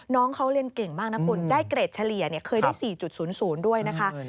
น้องเขาเรียนเก่งมากนะคุณได้เกรดเฉลี่ยเคยได้๔๐๐ด้วยนะคะ